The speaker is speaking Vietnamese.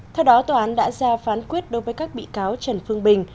theo đó tòa án đã ra phán quyết đối với các bị cáo trần phương bình